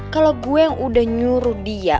kalau gue yang udah nyuruh dia